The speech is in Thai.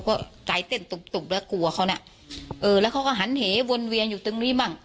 ก็ใจเต้นตุกตุกแล้วกลัวเขาน่ะเออแล้วเขาก็หันเหวนเวียนอยู่ตรงนี้บ้าง